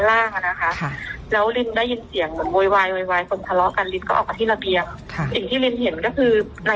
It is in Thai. แล้วปู่เขานั่งเล่นที่หน้าบ้านอยู่ชั้นล่างอะนะคะ